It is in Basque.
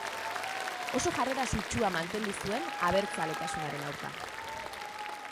Oso jarrera sutsua mantendu zuen abertzaletasunaren aurka.